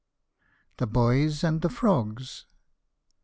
THE BOYS AND THE FROGS.